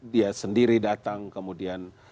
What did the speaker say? dia sendiri datang kemudian